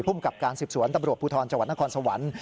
ภูมิกับการสืบสวนตำรวจภูทรจนครสวรรค์